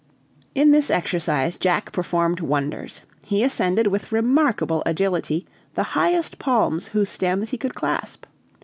In this exercise Jack performed wonders. He ascended with remarkable agility the highest palms whose stems he could clasp.